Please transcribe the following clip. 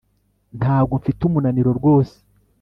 Ntago mfite umunaniro rwose